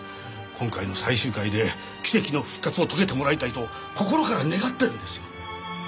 今回の最終回で奇跡の復活を遂げてもらいたいと心から願ってるんですよ。